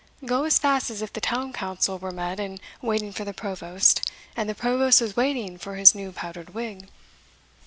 Go as fast as if the town council were met and waiting for the provost, and the provost was waiting for his new powdered wig."